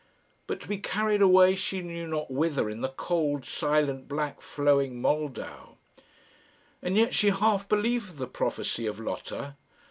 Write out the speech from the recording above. But to be carried away she knew not whither in the cold, silent, black flowing Moldau! And yet she half believed the prophecy of Lotta.